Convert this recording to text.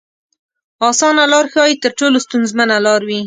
اسانه لار ښايي تر ټولو ستونزمنه لار وي.